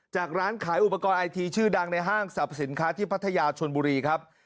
ร้านขายอุปกรณ์ไอทีชื่อดังในห้างสรรพสินค้าที่พัทยาชนบุรีครับ